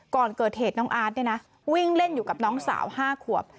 ก่อนเกิดเหตุน้องอาร์ตวิ่งเล่นอยู่กับน้องสาว๕ขวบ